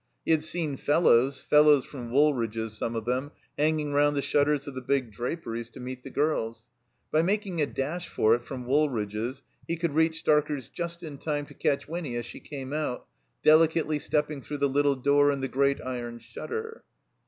He had seen fellows (fellows from Woolridge's, some of them) hanging roimd the shutters of the big dra peries to meet the girls. By making a dash for it from Woolridge's he could reach Starker's just in time to catch Winny as she came out, delicately stepping through the little door in the great iron shutter.